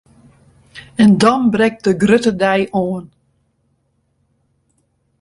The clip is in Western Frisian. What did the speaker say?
En dan brekt de grutte dei oan!